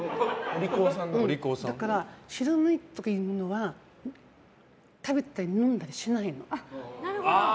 だから、知らないものは食べたり飲んだりしないの。